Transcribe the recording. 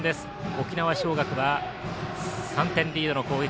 沖縄尚学は３点リードの攻撃。